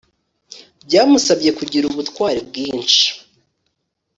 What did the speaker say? byamusabye kugira ubutwari bwinshi